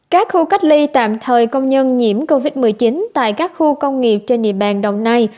các khu cách ly tạm thời công nhân nhiễm covid một mươi chín tại các khu công nghiệp trên địa bàn đồng nai